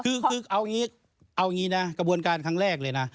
คือเอาอย่างนี้นะกระบวนการครั้งแรกเลยนะ